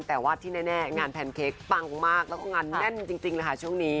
แต่ว่าที่แน่งานแพนเค้กปังมากแล้วก็งานแน่นจริงเลยค่ะช่วงนี้